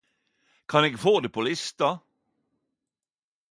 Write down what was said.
Kan eg få det på lista?